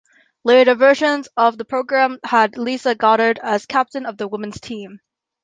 Later versions of the programme had Liza Goddard as captain of the women's team.